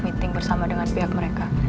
meeting bersama dengan pihak mereka